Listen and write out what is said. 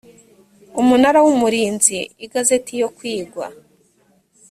umunara w umurinzi igazeti yo kwigwa